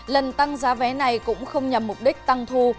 lần tăng giá vé này cũng không nhằm mục đích tăng thu